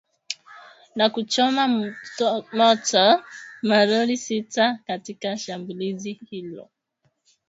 na kuchoma moto malori sita katika shambulizi hilo